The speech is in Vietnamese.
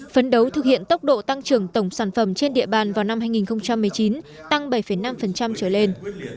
phấn đấu thực hiện tốc độ tăng trưởng tổng sản phẩm trên địa bàn vào năm hai nghìn một mươi chín tăng bảy năm trở lên